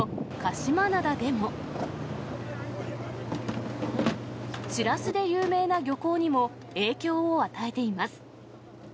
シラスで有名な漁港にも、影響を与えています。